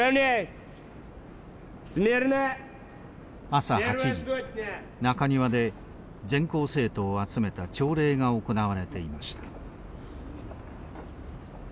朝８時中庭で全校生徒を集めた朝礼が行われていました。